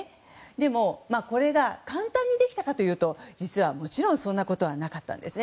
でも、これが簡単にできたかというと実はもちろんそんなことはなかったんです。